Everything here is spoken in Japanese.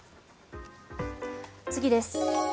次です。